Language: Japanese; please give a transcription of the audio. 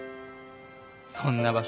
そんな場所